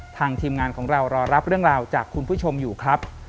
ทีมงานของเรารอรับเรื่องราวจากคุณผู้ชมอยู่ครับ